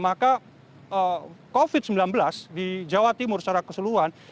maka covid sembilan belas di jawa timur secara keseluruhan